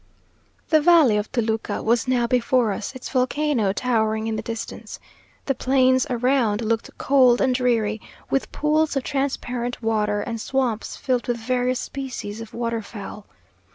The valley of Toluca was now before us, its volcano towering in the distance. The plains around looked cold and dreary, with pools of transparent water, and swamps filled with various species of water fowl.